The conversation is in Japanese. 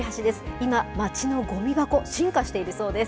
今、街のゴミ箱、進化しているそうです。